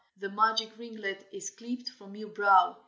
The magic ringlet is clipped from your brow.